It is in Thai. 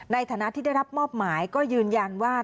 ในฐานะที่ได้รับมอบหมายก็ยืนยันว่า